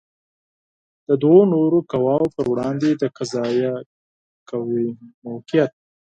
د دوو نورو قواوو پر وړاندې د قضائیه قوې موقعیت